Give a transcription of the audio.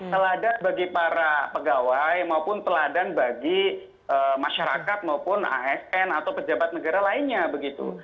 teladan bagi para pegawai maupun teladan bagi masyarakat maupun asn atau pejabat negara lainnya begitu